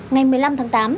ngày một mươi năm tháng tám